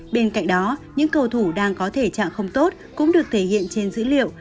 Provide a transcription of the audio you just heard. bên cạnh đó những cầu thủ đang có thể trạng không tốt cũng được thể hiện trên dữ liệu